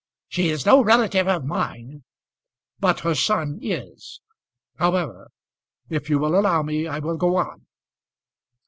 "She is no relative of mine." "But her son is. However, if you will allow me, I will go on.